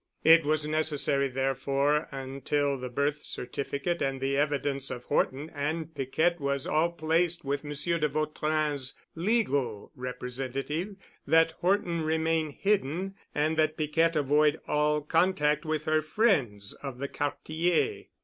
It was necessary therefore, until the birth certificate and the evidence of Horton and Piquette was all placed with Monsieur de Vautrin's legal representative, that Horton remain hidden and that Piquette avoid all contact with her friends of the Quartier.